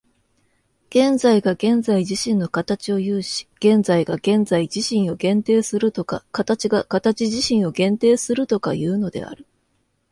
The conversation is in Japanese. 現在が現在自身の形を有し、現在が現在自身を限定するとか、形が形自身を限定するとかいうのである。